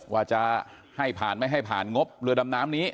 ว่าจะให้ผ่านไม่ให้ผ่านงบเรือดำน้ำนี้